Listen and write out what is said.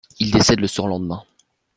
Il décède le surlendemain.